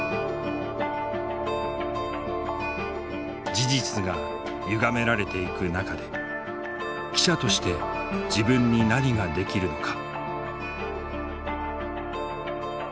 事実がゆがめられていく中で記者として自分に何ができるのか。